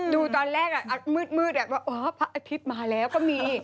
ดูตอนแรกมืดว่าอ๋อพระอาทิตย์มาแล้วก็มี